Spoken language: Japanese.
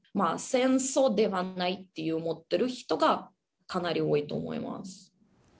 戦争ではないと思ってる人がかなり多いと思います。